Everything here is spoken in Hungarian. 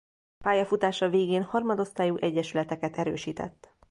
Pályafutása végén harmadosztályú egyesületeket erősített.